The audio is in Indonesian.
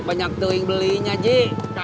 sama gorengannya lima